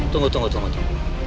tunggu tunggu tunggu